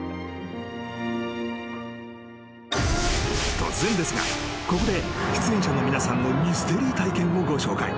［突然ですがここで出演者の皆さんのミステリー体験をご紹介］